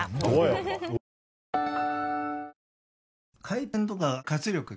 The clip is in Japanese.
回転とか活力